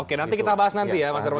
oke nanti kita bahas nanti ya mas revo